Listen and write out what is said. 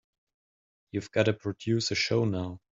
We've got to produce a show now.